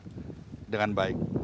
terima dengan baik